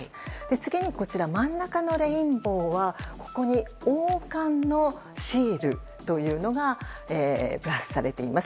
次に、真ん中のレインボーは王冠のシールというのがプラスされています。